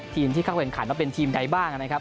ทีมที่เข้าเป็นขันแล้วเป็นทีมใดบ้างนะครับ